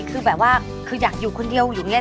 คือแบบว่าคืออยากอยู่คนเดียวอยู่อย่างนี้